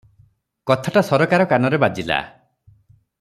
କଥାଟା ସରକାର କାନରେ ବାଜିଲା ।